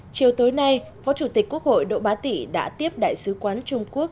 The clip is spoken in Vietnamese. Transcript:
chiều tối nay phó chủ tịch quốc hội đỗ bá tị đã tiếp đại sứ quán trung quốc